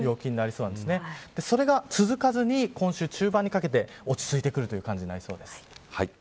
それが続かずに今週中盤にかけて落ち着いてくる感じになりそうです。